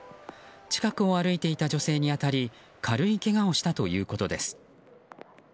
近くを歩いていた女性に当たり軽いけがをしたということです。